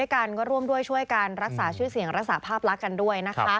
กันก็ร่วมด้วยช่วยกันรักษาชื่อเสียงรักษาภาพลักษณ์กันด้วยนะคะ